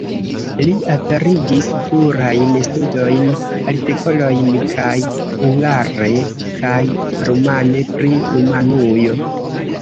Li aperigis plurajn studojn, artikolojn kaj hungare kaj rumane pri Rumanujo.